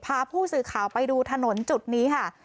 พาผู้สื่อข่าวไปดูถนนจุดนี้ค่ะ